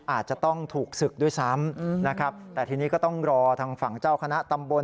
อาจจะต้องถูกศึกด้วยซ้ำนะครับแต่ทีนี้ก็ต้องรอทางฝั่งเจ้าคณะตำบล